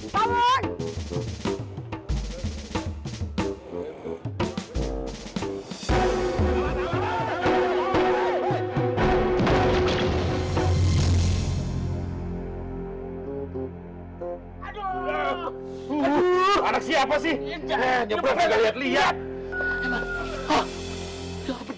kau terhadap airman hari martin